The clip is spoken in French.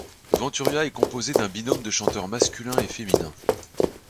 Venturia est composé d'un binôme de chanteurs masculin et féminin.